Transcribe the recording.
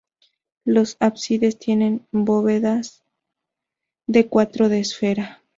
Los ábsides tienen bóvedas de cuarto de esfera.